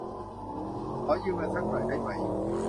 ขอยืมเงินซักหน่อยได้ไหม